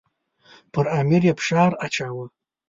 پر امیر یې فشار اچاوه.